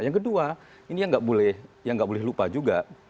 yang kedua ini yang nggak boleh lupa juga